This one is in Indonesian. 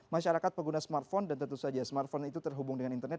masyarakat pengguna smartphone dan tentu saja smartphone itu terhubung dengan internet